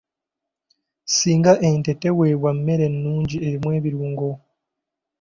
Singa ente teweebwa mmere nnungi erimu ebirungo.